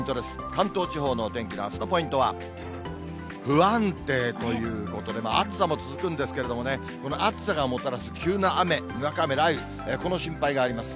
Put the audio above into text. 関東地方のお天気のあすのポイントは、不安定ということで、暑さも続くんですけれどもね、この暑さがもたらす急な雨、にわか雨、雷雨、この心配があります。